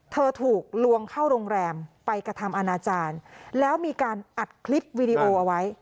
ถูกลวงเข้าโรงแรมไปกระทำอาณาจารย์แล้วมีการอัดคลิปวีดีโอเอาไว้